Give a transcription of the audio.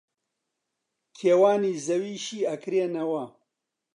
کێوانی زەوی شی ئەکرێنەوە